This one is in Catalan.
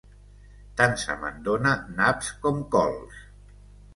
Tant se me'n dona naps com cols!